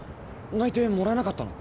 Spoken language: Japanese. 内定もらえなかったの？